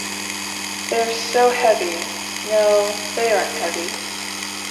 They are so heavy. No, they aren't heavy.